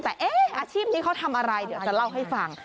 แต่อาชีพนี้เขาทำอะไรเดี๋ยวจะเล่าให้ฟัง